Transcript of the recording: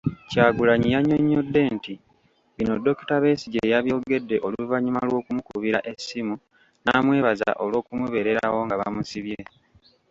Kyagulanyi yannyonnyodde nti bino Dokita Besigye yabyogedde oluvannyuma lw'okumukubira essimu n'amwebaza olw'okumubererawo nga bamusibye.